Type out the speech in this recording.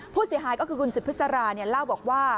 ผู้เสียหายก็คือคุณสุพิษราเล่าบอกว่า